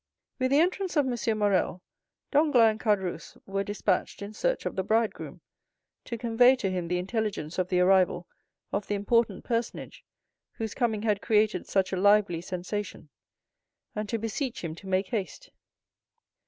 With the entrance of M. Morrel, Danglars and Caderousse were despatched in search of the bridegroom to convey to him the intelligence of the arrival of the important personage whose coming had created such a lively sensation, and to beseech him to make haste.